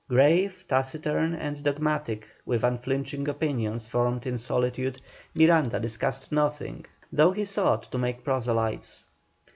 Grave, taciturn, and dogmatic, with unflinching opinions formed in solitude, Miranda discussed nothing, though he sought to make proselytes.